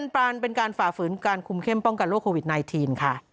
ปรานเป็นการฝ่าฝืนการคุมเข้มป้องกันโควิด๑๙ค่ะ